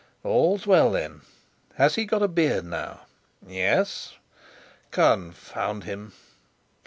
"All's well, then. Has he got a beard now?" "Yes." "Confound him!